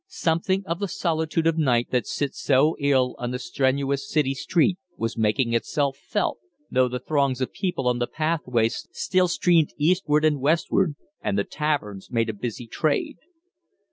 Something of the solitude of night that sits so ill on the strenuous city street was making itself felt, though the throngs of people on the pathway still streamed eastward and westward and the taverns made a busy trade.